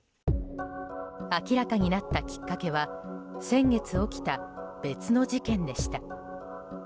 明らかになったきっかけは先月起きた別の事件でした。